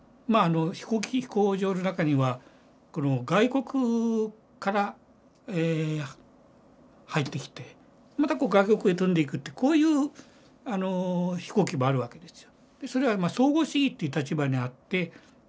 飛行場の中には外国から入ってきてまた外国へ飛んでいくってこういう飛行機もあるわけですよ。